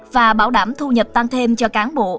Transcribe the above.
và bảo đảm thu nhập tăng thêm cho cán bộ